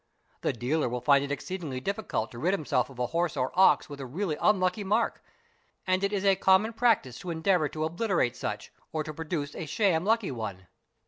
'The dealer will find it exceedingly difficult to rid himself of a ) horse or ox with a really unlucky mark, and it is a common practice to en ) deavour to obliterate such or to produce a sham lucky one.